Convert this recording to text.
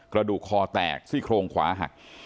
กระดูกคอแตกซี่โครงขวาหัก